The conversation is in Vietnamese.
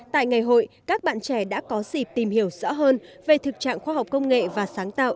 tại ngày hội các bạn trẻ đã có dịp tìm hiểu rõ hơn về thực trạng khoa học công nghệ và sáng tạo